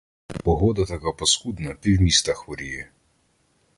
Погода така паскудна — півміста хворіє.